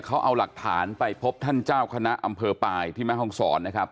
เขาเอาหลักฐานไปพบท่านเจ้าคณะอำเภอปลายที่แม่ห้องศรนะครับ